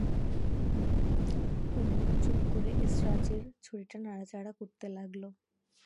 কুমু চুপ করে এসরাজের ছড়িটা নাড়াচাড়া করতে লাগল।